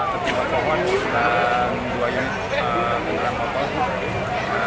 tertimpa pohon dan dua ini penerang motor